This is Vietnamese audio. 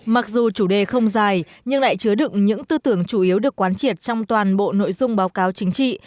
mặc dù chủ đề không dài nhưng lại chứa đựng những tư tưởng chủ yếu được quán triệt trong toàn bộ nội dung báo cáo chính trị